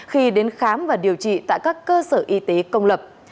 khi đến khám và điều trị tại các cơ sở y tế công lập